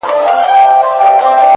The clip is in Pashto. • مه وايه دا چي اور وړي خوله كي؛